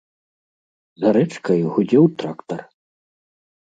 За рэчкай гудзеў трактар.